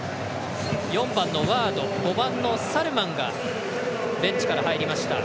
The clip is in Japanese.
４番のワアド、５番のサルマンが入りました。